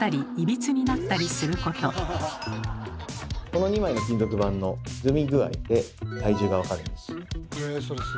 この２枚の金属板のひずみ具合で体重が分かるんです。